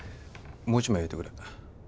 もう一枚焼いてくれ。